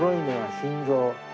心臓？